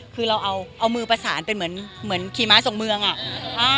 คือเราเอามือประสานเป็นเหมือนขี่ม้าส่งเมืองอ่ะ